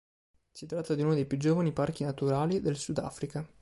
Si tratta di uno dei più giovani parchi naturali del Sudafrica.